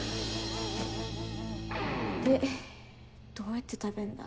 でどうやって食べんだ？